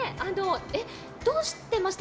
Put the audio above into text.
どうしてました？